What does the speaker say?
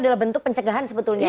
adalah bentuk pencegahan sebetulnya